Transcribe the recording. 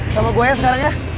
sama gue sekarang ya